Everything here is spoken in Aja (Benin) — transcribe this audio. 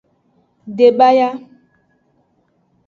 Debaya.